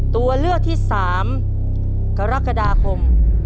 ตัวเลือกที่๓กรกฎาคม